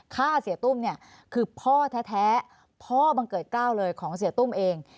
ฆ่าเสียตุ้มเนี่ยคือพ่อแท้พ่อบังเกิดกล้าวเลยของเสียตุ้มเอง